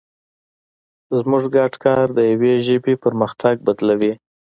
زموږ ګډ کار د یوې ژبې برخلیک بدلوي.